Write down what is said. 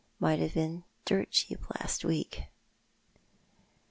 It might have been had dirt cheap last week."